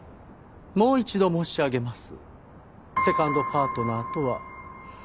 もう一度申し上げます。